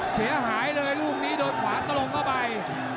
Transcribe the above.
เสียหายเลยลูกนี้โดนขวาตรงเข้าไป